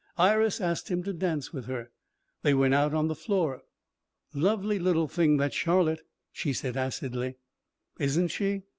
Iris asked him to dance with her. They went out on the floor. "Lovely little thing, that Charlotte," she said acidly. "Isn't she!"